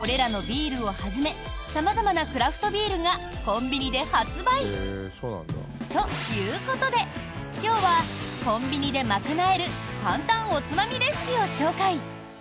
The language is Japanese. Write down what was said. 更に、これらのビールをはじめ様々なクラフトビールがコンビニで発売！ということで、今日はコンビニで賄える簡単おつまみレシピを紹介。